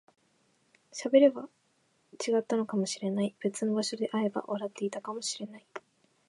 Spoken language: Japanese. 喋れば違ったのかもしれない、別の場所で会えば笑っていたかもしれない